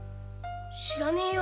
知らねえよ